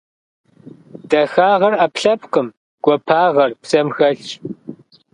Дахагъэр - ӏэпкълъэпкъым, гуапагъэр псэм хэлъщ.